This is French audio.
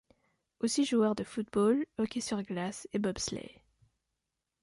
Aussi joueur de football, hockey sur glace et Bobsleigh.